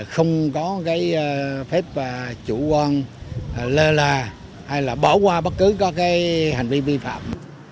không có phép chủ quan lơ là hay bỏ qua bất cứ hành vi vi phạm